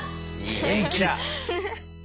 元気だ。